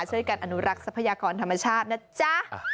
ช่วยกันอนุรักษ์ทรัพยากรธรรมชาตินะจ๊ะ